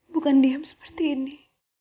bukan diam seperti ini